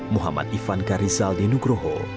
muhammad ivan karizal di nugroho